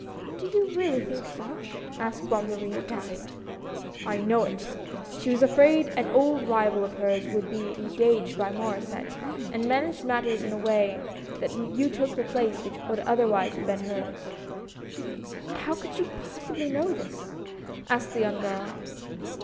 "Do you really think so?" asked Bonne Marie, aghast. "I know it! She was afraid an old rival of hers would be engaged by Mauresset, and managed matters in such a way that you took the place which would otherwise have been hers." " How can you possibly know this? " asked the young girl.